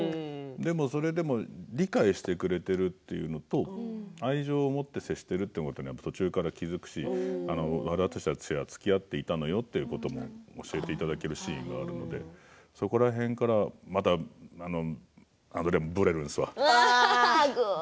でも、それでも理解してくれているというのと愛情を持って接してくれているということは途中から気が付くし私たちはつきあっていたということを教えていただけるしその辺からまたアンドレアがぶれるんですよ。